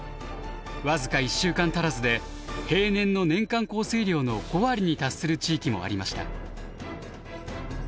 僅か１週間足らずで平年の年間降水量の５割に達する地域もありました。